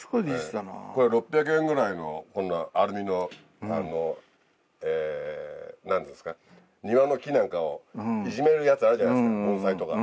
これ６００円ぐらいのこんなアルミの庭の木なんかをいじめるやつあるじゃないですか盆栽とか。